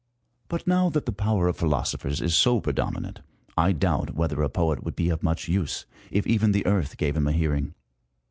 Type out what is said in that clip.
But, now that the power of philosophers is so predominant, I doubt whether a poet would be of much use, if even the Earth gave him a hearing.